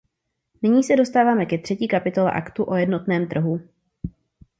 Nyní se dostáváme ke třetí kapitole Aktu o jednotném trhu.